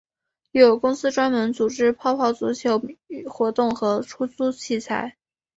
有公司专门组织泡泡足球活动和出租器材。